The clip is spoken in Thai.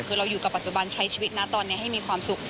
คือเราอยู่กับปัจจุบันใช้ชีวิตนะตอนนี้ให้มีความสุข